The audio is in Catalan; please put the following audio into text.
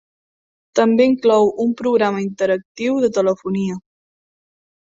També inclou un programa interactiu de telefonia.